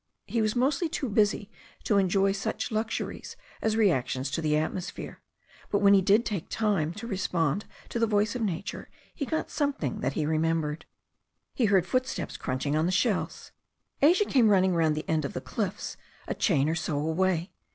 He was mostly too busy to enjoy such luxuries as reactions to the atmosphere, but when he did take time to respond to the voice of nature he got something that he remembered. He heard footsteps crunching on the shells. Asia came running round the end of the cliffs, a chain or so away.